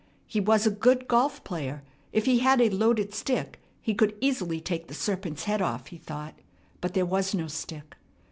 He was a good golf player; if he had a loaded stick, he could easily take the serpent's head off, he thought; but there was no stick.